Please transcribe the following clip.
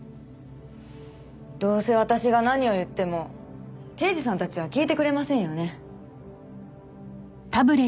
どうせ私が何を言っても刑事さんたちは聞いてくれませんよね。